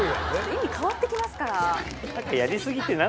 意味変わってきますから。